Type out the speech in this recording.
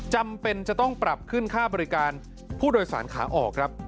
จำเป็นจะต้องปรับขึ้นค่าบริการผู้โดยสารขาออกครับ